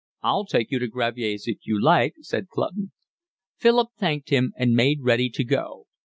"I'll take you to Gravier's if you like," said Clutton. Philip thanked him and made ready to go.